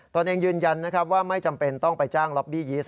ตอนเองยืนยันว่าไม่จำเป็นต้องไปจ้างล็อบบี้ยีสต์